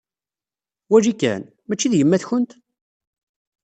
Wali kan! Mačči d yemmat-kent?